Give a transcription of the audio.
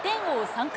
３回。